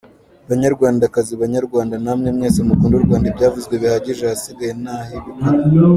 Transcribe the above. Banyarwandakazi, Banyarwanda namwe mwese mukunda u Rwanda ibyavuzwe birahagije ahasigaye n’ah’ibikorwa.